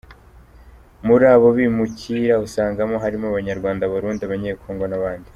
Muri abo bimukira usangamo harimo Abanyarwanda, Abarundi, Abanyekongo n’abandi.